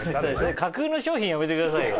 架空の商品やめてくださいよ。